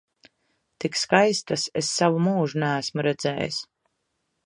Tik skaistas es savu mūžu neesmu redzējis!